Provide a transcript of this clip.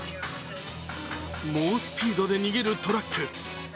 猛スピードで逃げるトラック。